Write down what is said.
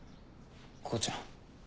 光ちゃん。